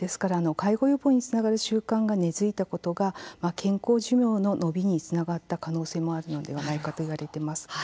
介護予防につながる習慣が根づいたことが健康寿命の延びにつながった可能性があるのではないかといわれています。